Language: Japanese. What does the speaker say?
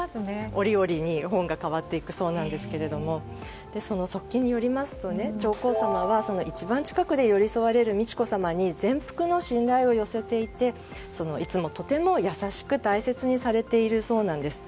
折々に本が変わっていくそうですが側近によりますと上皇さまは、一番近くで寄り添われる美智子さまに全幅の信頼を寄せていていつもとても優しく大切にされているそうです。